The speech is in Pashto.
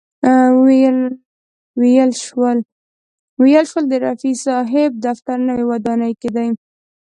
ویل شول د رفیع صاحب دفتر نوې ودانۍ کې دی.